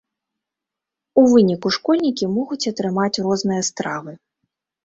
У выніку школьнікі могуць атрымаць розныя стравы.